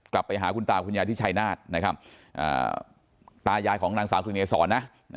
กลับไปหาคุณตาคุณยายที่ชัยนาธนะครับตายายของนางสาวกลิ่นเกษรนะ